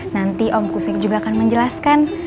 nanti om kusik juga akan menjelaskan